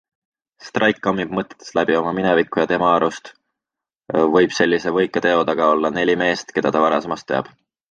Strike kammib mõtetes läbi oma mineviku ja tema arust võib sellise võika teo taga olla neli meest, keda ta varasemast teab.